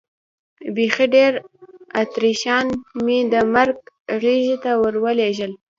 بیخي ډېر اتریشیان مې د مرګ غېږې ته ور ولېږل.